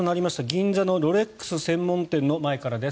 銀座のロレックス専門店の前からです。